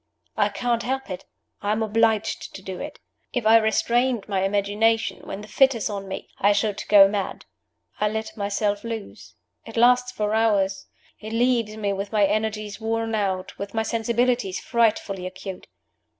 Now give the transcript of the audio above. I can't help it. I am obliged to do it. If I restrained my imagination when the fit is on me, I should go mad. I let myself loose. It lasts for hours. It leaves me with my energies worn out, with my sensibilities frightfully acute.